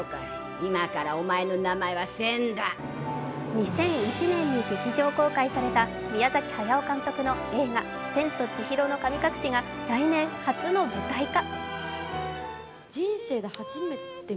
２００１年に劇場公開された宮崎駿監督の映画「千と千尋の神隠し」が来年、初の舞台化。